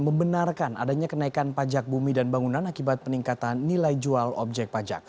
membenarkan adanya kenaikan pajak bumi dan bangunan akibat peningkatan nilai jual objek pajak